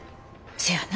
せやな。